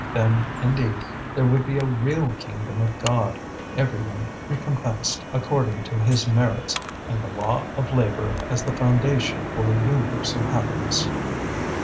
Then, indeed, there would be a real kingdom of God, every one recompensed according to his merits, and the law of labour as the foundation for universal happiness.